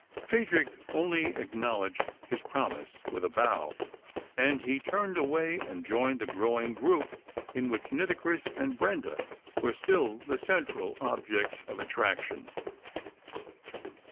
Phadrig only acknowledged his promise with a bow, and he turned away and joined the growing group in which Nitocris and Brenda were still the central objects of attraction.